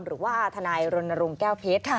หรือว่าทนายรณรงค์แก้วเพชร